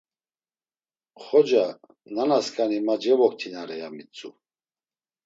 Xoca, nanasǩani ma cevoktinare, ya mitzu.